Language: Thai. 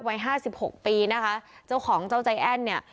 วัยห้าสิบหกปีนะคะเจ้าของเจ้าใจแอ้นเนี่ย